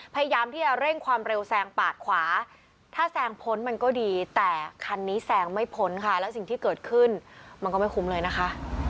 พยายามที่จะเร่งความเร็วแซงปาดขวาถ้าแซงพ้นมันก็ดีแต่คันนี้แซงไม่พ้นค่ะแล้วสิ่งที่เกิดขึ้นมันก็ไม่คุ้มเลยนะคะ